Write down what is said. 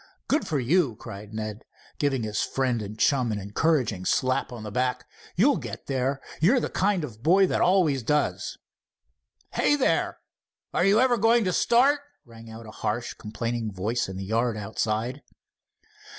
"Good for you!" cried Ned, giving his friend and chum an encouraging slap on the back. "You'll get there—you're the kind of a boy that always does." "Hey, there! are you ever going to start?" rang out a harsh, complaining voice in the yard outside.